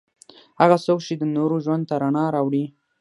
هغه څوک چې د نورو ژوند ته رڼا راوړي.